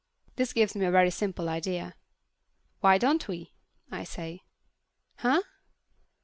This gives me a very simple idea. "Why don't we?" I say. "Huh?"